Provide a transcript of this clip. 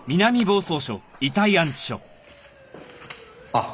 あっ。